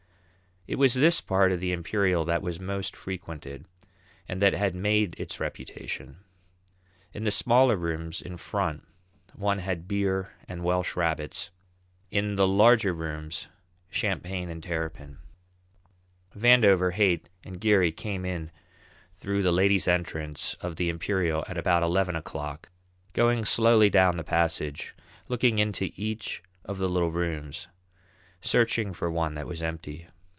It was this part of the Imperial that was most frequented, and that had made its reputation. In the smaller rooms in front one had beer and Welsh rabbits; in the larger rooms, champagne and terrapin. Vandover, Haight, and Geary came in through the ladies' entrance of the Imperial at about eleven o'clock, going slowly down the passage, looking into each of the little rooms, searching for one that was empty.